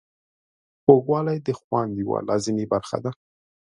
خوږوالی د خوند یوه لازمي برخه ده.